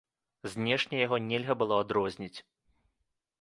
Знешне яго нельга было адрозніць.